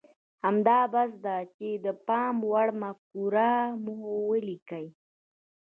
همدا بس ده چې د پام وړ مفکوره مو وليکئ.